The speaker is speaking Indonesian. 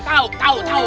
tau tau tau